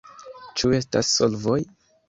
Ĉu estas solvoj?